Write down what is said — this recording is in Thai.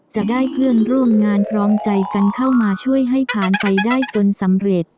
จะได้เพื่อนร่วมงานพร้อมใจกันเข้ามาช่วยให้ผ่านไปได้จนสำเร็จ